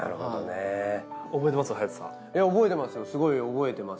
覚えてます。